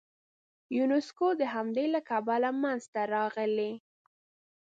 یونسکو د همدې کبله منځته راغلی.